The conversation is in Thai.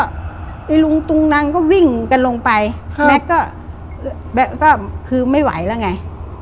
ไอ้ลุงตุงนังก็วิ่งกันลงไปแม็กซ์ก็คือไม่ไหวแล้วไง